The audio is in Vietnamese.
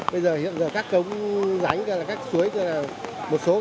bây giờ hiện giờ các cống ránh các suối một số là làm nhỏ đi nước không thoát kịp